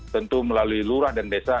tentu melalui lurah dan desa